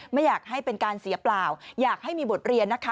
ไม่อยากให้เป็นการเสียเปล่าอยากให้มีบทเรียนนะคะ